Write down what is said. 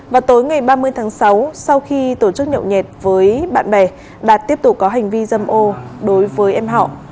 vào tối ngày ba mươi tháng sáu sau khi tổ chức nhậu nhẹt với bạn bè đạt tiếp tục có hành vi dâm ô đối với em họ